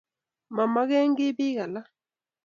momekenkiy biik alak